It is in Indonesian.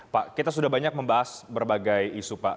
pak kita sudah banyak membahas berbagai isu pak